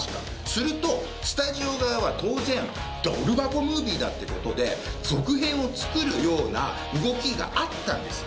すると、スタジオ側は当然ドル箱ムービーだってことで続編を作るような動きがあったんです。